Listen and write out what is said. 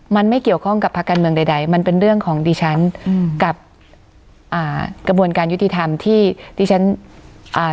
มันไม่เกี่ยวข้องกับภาคการเมืองใดใดมันเป็นเรื่องของดิฉันอืมกับอ่ากระบวนการยุติธรรมที่ที่ฉันอ่า